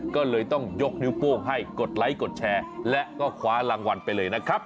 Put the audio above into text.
ก็เลยต้องยกนิ้วโป้งให้กดไลค์กดแชร์และก็คว้ารางวัลไปเลยนะครับ